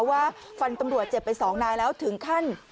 ว่าฟันตำรวจเจ็บไปสองนายแล้วถึงขั้น